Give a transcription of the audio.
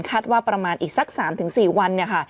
คัดว่าประมาณอีกสัก๓๔วัน